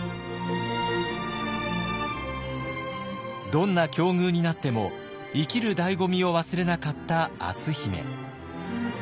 どんな境遇になっても生きるだいご味を忘れなかった篤姫。